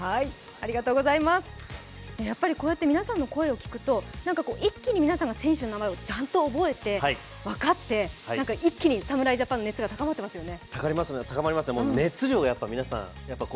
皆さんの声を聞くと一気に皆さんが選手の名前をちゃんと覚えて分かって、一気に侍ジャパンの熱が高まってますよね。